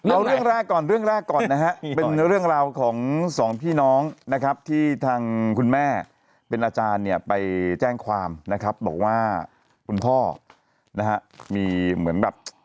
เอาเรื่องแรกก่อนเรื่องแรกก่อนนะฮะเป็นเรื่องราวของสองพี่น้องนะครับที่ทางคุณแม่เป็นอาจารย์เนี่ยไปแจ้งความนะครับบอกว่าคุณพ่อนะฮะมีเหมือนแบบ